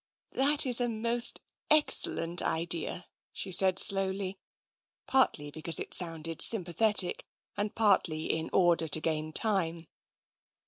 "That is a most excellent idea," she said slowly, partly because it sounded sympathetic and partly in order to gain time.